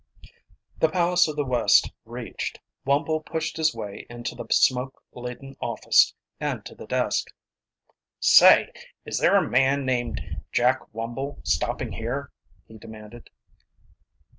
The Palace of the West reached, Wumble pushed his way into the smoke laden office and to the desk. "Say, is there a man named Jack Wumble stopping here?" he demanded.